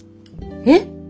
えっ！？